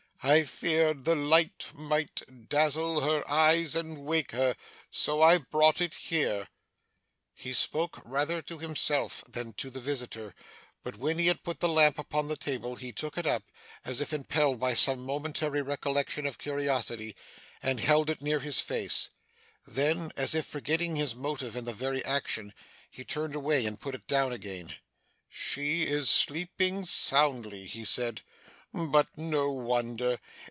I feared the light might dazzle her eyes and wake her, so I brought it here.' He spoke rather to himself than to the visitor, but when he had put the lamp upon the table, he took it up, as if impelled by some momentary recollection or curiosity, and held it near his face. Then, as if forgetting his motive in the very action, he turned away and put it down again. 'She is sleeping soundly,' he said; 'but no wonder.